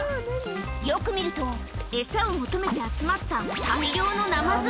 よく見ると餌を求めて集まった大量のナマズ